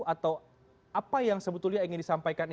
atau apa yang sebetulnya ingin disampaikan